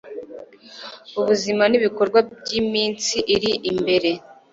Ubuzima nibikorwa byiminsi iri imbere